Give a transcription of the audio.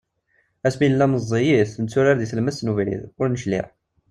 Asmi nella meẓẓiyit netturar di tlemmast n ubrid, ur necliε.